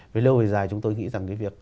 về lâu về dài chúng tôi nghĩ rằng cái việc